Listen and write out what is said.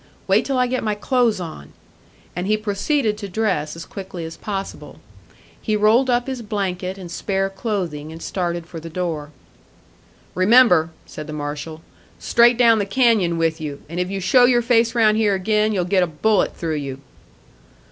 "Wait till I get my clothes on." And he proceeded to dress as quickly as possible; he rolled up his blanket and spare clothing, and started for the door. "Remember," said the marshal, "straight down the canyon with you, and if you show your face round here again, you'll get a bullet through you."